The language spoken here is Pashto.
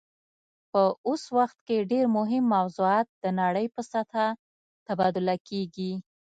په اوس وخت کې ډیر مهم موضوعات د نړۍ په سطحه تبادله کیږي